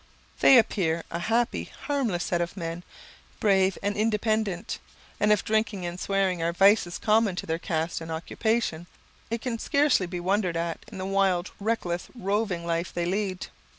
They appear a happy, harmless set of men, brave and independent; and if drinking and swearing are vices common to their caste and occupation, it can scarcely be wondered at in the wild, reckless, roving life they lead.